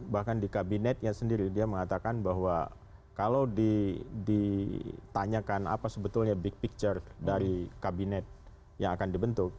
bahkan di kabinetnya sendiri dia mengatakan bahwa kalau ditanyakan apa sebetulnya big picture dari kabinet yang akan dibentuk